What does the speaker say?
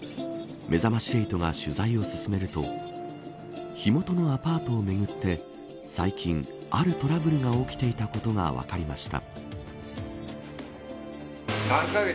めざまし８が取材を進めると火元のアパートをめぐって最近、あるトラブルが起きていたことが分かりました。